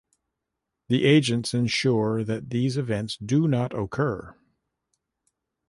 The agents ensure that these events do not occur.